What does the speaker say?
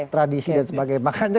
tradisi dan sebagainya